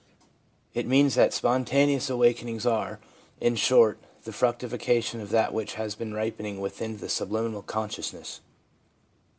It means that spontaneous awakenings are> in short, the fructification of that which has been ripening within the sub liminal consciousness.